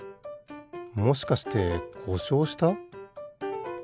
もしかしてこしょうした？